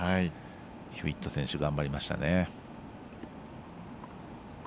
ヒューウェット選手頑張りましたね。